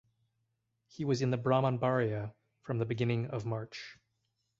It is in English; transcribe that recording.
He was in Brahmanbaria from the beginning of March.